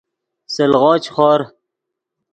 سلغو چے خور